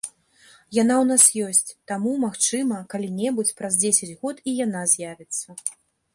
Яна ў нас ёсць, таму, магчыма, калі-небудзь, праз дзесяць год і яна з'явіцца.